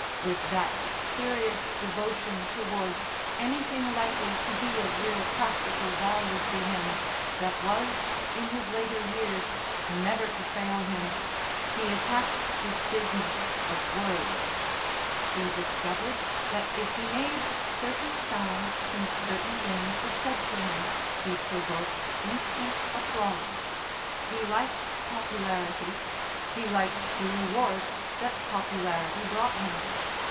With that serious devotion towards anything likely to be of real practical value to him that was, in his later years, never to fail him, he attacked this business of "words." He discovered that if he made certain sounds when certain things were said to him he provoked instant applause. He liked popularity; he liked the rewards that popularity brought him.